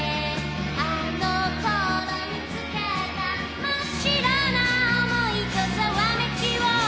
「あの頃見つけた真っ白な想いとざわめきを」